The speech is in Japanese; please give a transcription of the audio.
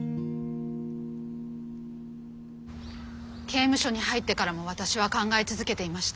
刑務所に入ってからも私は考え続けていました。